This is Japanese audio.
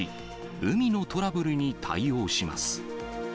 海のトラブルに対応します。